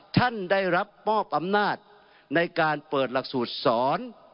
ท่านได้รับมอบอำนาจในการเปิดหลักสูตรสอน